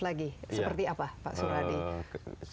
lagi seperti apa pak suradi